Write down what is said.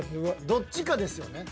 どっちかですよね。